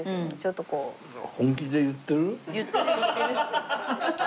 言ってる言ってる。